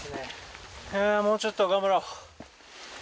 もうちょっと頑張ろう。